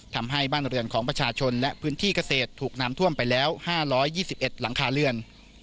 ทำให้บ้านเรือนของประชาชนและพื้นที่เกษตรถูกน้ำท่วมไปแล้ว๕๒๑หลังคาเรือน